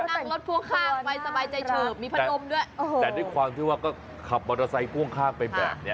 นั่งรถพ่วงข้างไปสบายใจเฉิบมีพัดลมด้วยแต่ด้วยความที่ว่าก็ขับมอเตอร์ไซค์พ่วงข้างไปแบบเนี้ย